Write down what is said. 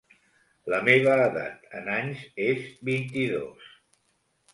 La meva edat, en anys, és vint-i-dos.